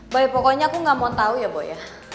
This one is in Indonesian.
boy pokoknya aku gak mau tau ya boy